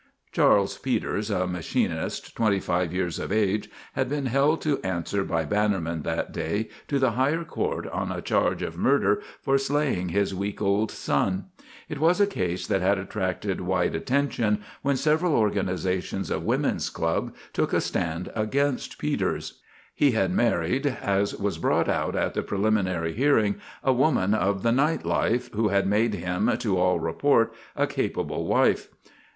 Charley Peters, a machinist, twenty five years of age, had been held to answer by Bannerman that day to the higher court on a charge of murder for slaying his week old son. It was a case that had attracted wide attention when several organisations of women's clubs took a stand against Peters. He had married, as was brought out at the preliminary hearing, a woman of the night life, who had made him, to all report, a capable wife.